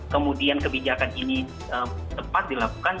kemudian kebijakan ini tepat dilakukan